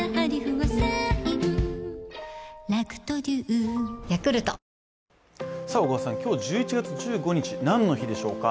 フーダブル今日、１１月１５日、何の日でしょうか？